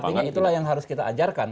artinya itulah yang harus kita ajarkan